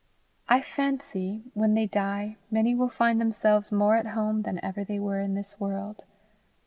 I fancy, when they die, many will find themselves more at home than ever they were in this world.